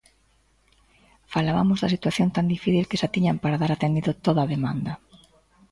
Falabamos da situación tan difícil que xa tiñan para dar atendido toda a demanda.